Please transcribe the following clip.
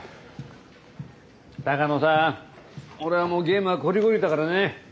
鷹野さん俺はもうゲームはこりごりだからね。